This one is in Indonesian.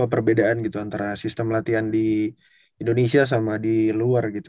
perbedaan gitu antara sistem latihan di indonesia sama di luar gitu